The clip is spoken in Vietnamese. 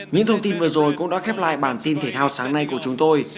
những thông tin vừa rồi cũng đã khép lại bản tin thể thao sáng nay của chúng tôi